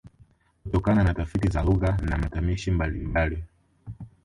Kutokana na tafiti za lugha na matamshi mbalimbali